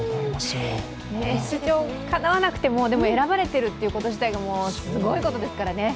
出場かなわなくても、選ばれてること自体がすごいことですもんね。